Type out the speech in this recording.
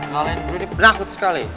kalian udah diperlakukan sekali